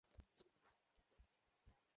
তারপর আত্মগোপন করে ফেলি।